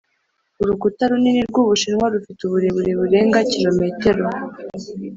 urukuta runini rw'ubushinwa rufite uburebure burenga kilometero